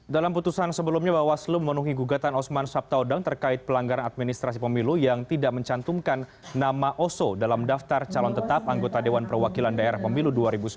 dalam putusan sebelumnya bawaslu memenuhi gugatan osman sabtaudang terkait pelanggaran administrasi pemilu yang tidak mencantumkan nama oso dalam daftar calon tetap anggota dewan perwakilan daerah pemilu dua ribu sembilan belas